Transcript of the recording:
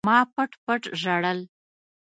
ما پټ پټ ژړل.